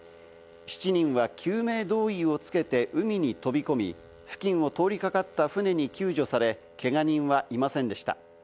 ７人は救命胴衣を着けて海に飛び込み、付近を通りかかった船に救助され、けが人はいませんでした。